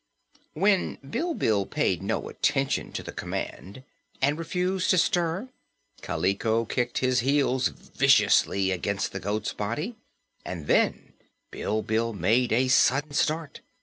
When Bilbil paid no attention to the command and refused to stir, Kaliko kicked his heels viciously against the goat's body, and then Bilbil made a sudden start.